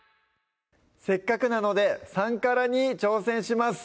せっかくなので３辛に挑戦します